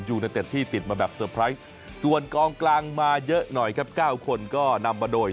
เต็ดที่ติดมาแบบเซอร์ไพรส์ส่วนกองกลางมาเยอะหน่อยครับ๙คนก็นำมาโดย